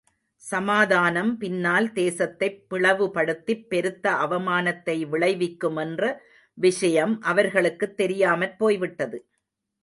சமாதானம் பின்னால் தேசத்தைப் பிளவுபடுத்திப் பெருத்த அவமானத்தை விளைவிக்குமென்ற விஷயம் அவர்களுக்குத் தெரியாமற் போய்விட்டது.